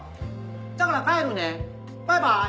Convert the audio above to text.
だから帰るねバイバイ！